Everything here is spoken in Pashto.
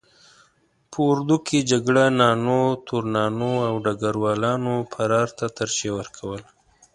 په اردو کې جګړه نانو، تورنانو او ډګر والانو فرار ته ترجیح ورکوله.